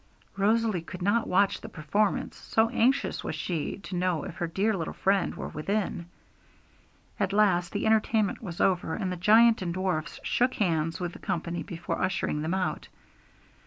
Rosalie could not watch the performance, so anxious was she to know if her dear little friend were within. At last the entertainment was over, and the giant and dwarfs shook hands with the company before ushering them out.